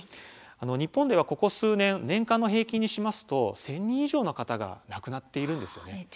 日本では、ここ数年年間の平均にしますと１０００人以上の方が亡くなっています。